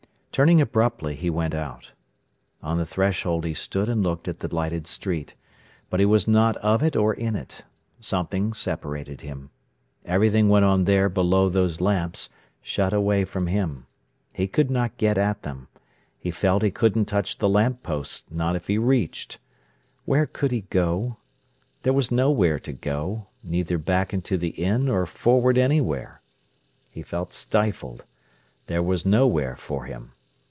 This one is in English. Turning abruptly, he went out. On the threshold he stood and looked at the lighted street. But he was not of it or in it. Something separated him. Everything went on there below those lamps, shut away from him. He could not get at them. He felt he couldn't touch the lamp posts, not if he reached. Where could he go? There was nowhere to go, neither back into the inn, or forward anywhere. He felt stifled. There was nowhere for him.